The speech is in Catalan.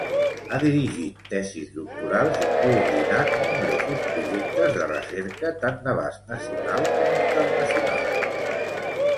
Ha dirigit tesis doctorals i coordinat nombrosos projectes de recerca tant d'abast nacional com internacional.